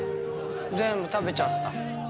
全部食べちゃった。